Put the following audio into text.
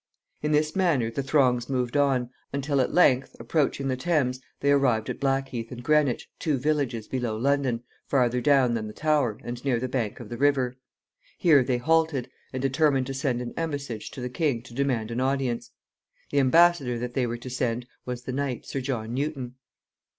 In this manner the throngs moved on, until at length, approaching the Thames, they arrived at Blackheath and Greenwich, two villages below London, farther down than the Tower, and near the bank of the river. Here they halted, and determined to send an embassage to the king to demand an audience. The embassador that they were to send was the knight, Sir John Newton.